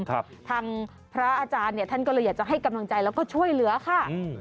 ทางพระอาจารย์เนี่ยท่านก็เลยอยากจะให้กำลังใจแล้วก็ช่วยเหลือค่ะอืม